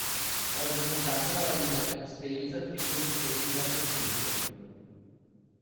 È organizzata dalla United States Figure Skating Association.